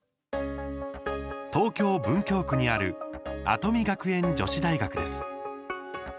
東京・文京区にある跡見学園女子大学です。